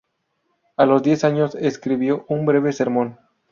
A los diez años escribió un breve sermón.